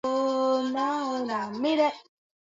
Kibeti chake kimepotea